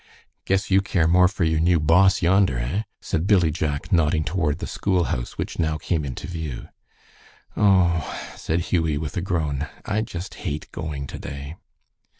"Guess you care more for your new boss yonder, eh?" said Billy Jack, nodding toward the school house, which now came into view. "Oh," said Hughie, with a groan, "I just hate going to day."